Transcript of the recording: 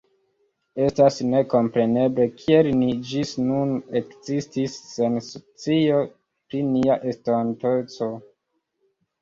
Estas nekompreneble, kiel ni ĝis nun ekzistis sen scio pri nia estonteco.